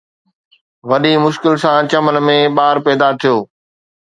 وڏي مشڪل سان چمن ۾ ٻار پيدا ٿيو